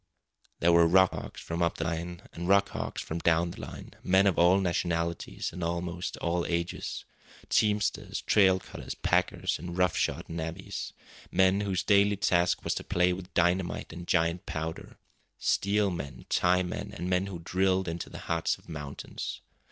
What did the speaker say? There were rock hogs from up the line, and rock hogs from down the line, men of all nationalities and of almost all ages; teamsters, trail cutters, packers, and rough shod navvies; men whose daily task was to play with dynamite and giant powder; steel men, tie men, and men who drilled into the hearts of mountains.